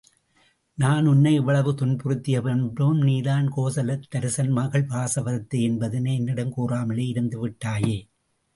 நான் உன்னை இவ்வளவு துன்புறுத்திய பின்பும், நீதான் கோசலத்தரசன் மகள் வாசவதத்தை என்பதனை என்னிடம் கூறாமலே இருந்து விட்டாயே?